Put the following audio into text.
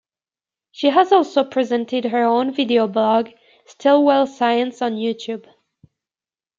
She has also presented her own video blog, "Stillwell Science", on YouTube.